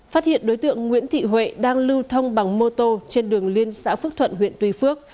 phát hiện đối tượng nguyễn thị huệ đang lưu thông bằng mô tô trên đường liên xã phước thuận huyện tuy phước